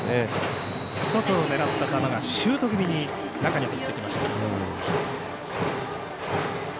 外を狙った球がシュート気味に中に入りました。